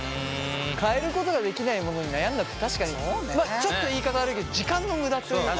変えることができないものに悩んだって確かにちょっと言い方悪いけど時間の無駄というか。